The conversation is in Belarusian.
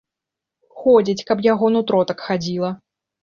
Ходзіць, каб яго нутро так хадзіла!